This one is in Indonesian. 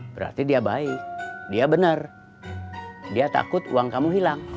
berarti dia baik dia benar dia takut uang kamu hilang